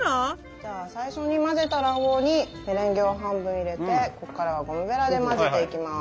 じゃあ最初に混ぜた卵黄にメレンゲを半分入れてここからはゴムベラで混ぜていきます。